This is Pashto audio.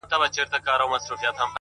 که په ژړا کي مصلحت وو’ خندا څه ډول وه’